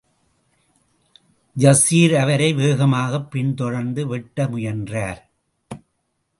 Yasir அவரை வேகமாகப் பின் தொடர்ந்து வெட்ட முயன்றார்.